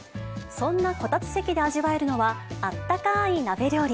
そんなこたつ席で味わえるのは、あったかい鍋料理。